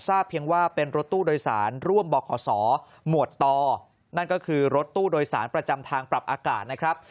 เพียงว่าเป็นรถตู้โดยสารร่วมบขศหมวดต่อนั่นก็คือรถตู้โดยสารประจำทางปรับอากาศนะครับ